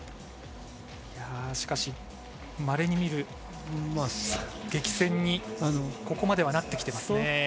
しかし、まれに見る激戦にここまではなってきていますね。